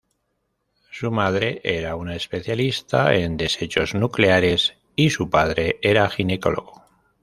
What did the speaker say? Su madre era una especialista en desechos nucleares y su padre era ginecólogo.